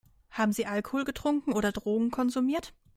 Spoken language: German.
Haben Sie Alkohol getrunken oder Drogen konsumiert?